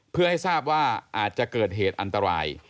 เพื่อให้ทราบว่าอาจจะเกิดเหตุอันตราย